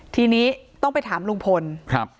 ทีนี้ต้องไปถามลุงพลครับ